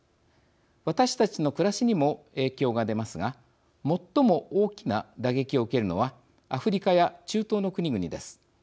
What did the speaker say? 私たちの暮らしにも影響が出ますが最も大きな打撃を受けるのはアフリカや中東の国々です。